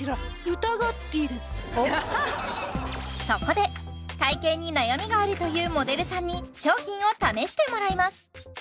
そこで体形に悩みがあるというモデルさんに商品を試してもらいます